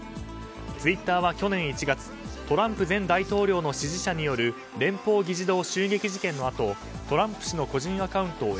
ツイッターは去年１月トランプ前大統領の支持者による連邦議事堂襲撃事件のあとトランプ氏の個人アカウントを